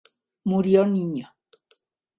Murió niño.